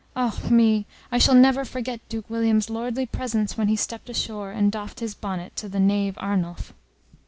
Ah me! I shall never forget Duke William's lordly presence when he stepped ashore, and doffed his bonnet to the knave Arnulf."